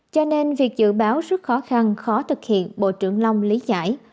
cho nên việc dự báo rất khó khăn khó thực hiện bộ trưởng long lý giải